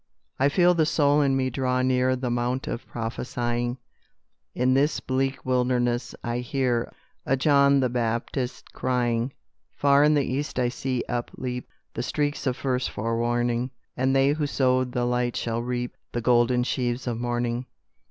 "I feel the soul in me draw near The mount of prophesying; In this bleak wilderness I hear A John the Baptist crying; Far in the east I see upleap The streaks of first forewarning, And they who sowed the light shall reap The golden sheaves of morning.